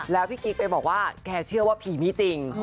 แล้วพี่กิ๊กไปบอกว่าแกเชื่อว่าผีมีจริง